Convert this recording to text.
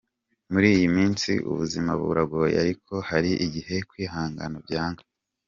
Muri iyi minsi ubuzima buragoye ariko hari igihe kwihangana byanga.